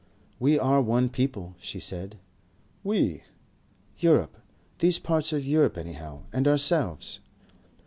"We are one people," she said. "We?" "Europe. These parts of Europe anyhow. And ourselves."